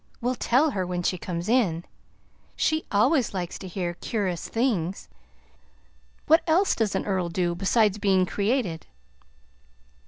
We'll tell her when she comes in. She always likes to hear cur'us things. What else does an earl do besides being created?"